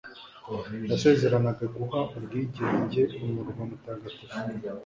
yasezeranaga guha ubwigenge umurwa mutagatifu